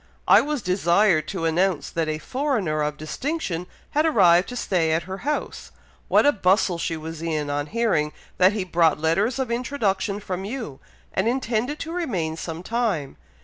I was desired to announce that a foreigner of distinction had arrived to stay at her house. What a bustle she was in on hearing that he brought letters of introduction from you, and intended to remain some time.